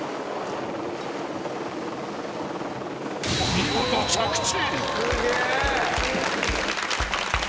［見事着地］